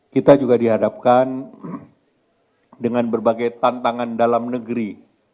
kita juga dihadapkan dengan berbagai tantangan dalam negeri